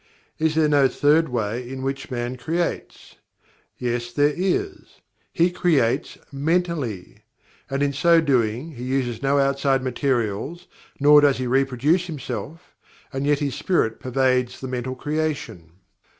Is there no third way in which MAN creates? Yes, there is he CREATES MENTALLY! And in so doing he uses no outside materials, nor does he reproduce himself, and yet his Spirit pervades the Mental Creation.